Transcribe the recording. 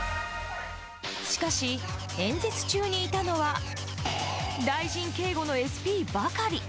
しかし、演説中にいたのは、大臣警護のＳＰばかり。